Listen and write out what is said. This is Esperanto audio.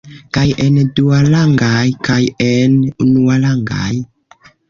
Kaj en duarangaj kaj en unuarangaj.